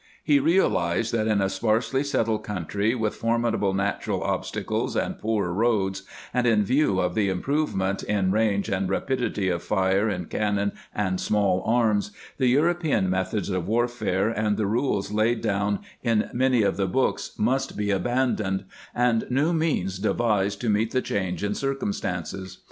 He realized that in a sparsely settled country, with formidable natural obstacles and poor roads, and in view of the improvement in range and rapidity of fire in cannon and small arms, the European methods of warfare and the rules laid down in many of the books must be abandoned, and new means devised to meet the change in circumstances.